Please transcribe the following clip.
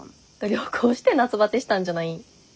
旅行して夏バテしたんじゃないん。